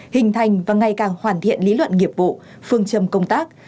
hình thành và ngày càng hoàn thiện lý luận nghiệp vụ phương châm công tác